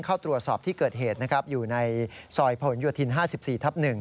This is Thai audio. เข้าตรวจสอบที่เกิดเหตุนะครับอยู่ในซอยผลโยธิน๕๔ทับ๑